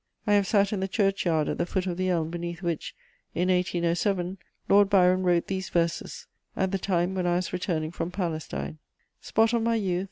I have sat in the churchyard at the foot of the elm beneath which, in 1807, Lord Byron wrote these verses, at the time when I was returning from Palestine: Spot of my youth!